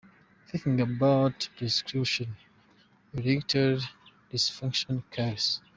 Thinking about Prescription Erectile Dysfunction Cures.